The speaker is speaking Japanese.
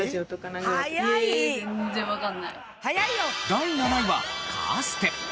第７位はカーステ。